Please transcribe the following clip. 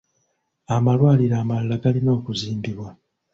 Amalwaliro amalala galina okuzimbibwa.